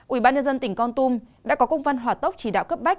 ủy ban nhân dân tỉnh con tum đã có công văn hòa tốc chỉ đạo cấp bách